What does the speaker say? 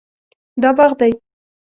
دا باغ دی